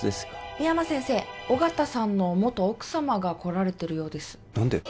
深山先生緒方さんの元奥様が来られてるようです何で？